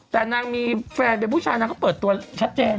แต่นางมีแฟนเป็นผู้ชายนางก็เปิดตัวชัดเจน